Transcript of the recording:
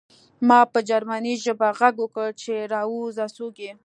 ما په جرمني ژبه غږ وکړ چې راوځه څوک یې